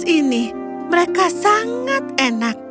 ketiga kemas ini sangat enak